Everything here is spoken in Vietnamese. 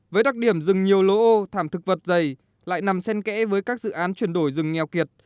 với đặc điểm rừng nhiều lỗ ô thảm thực vật dày lại nằm sen kẽ với các dự án chuyển đổi rừng nghèo kiệt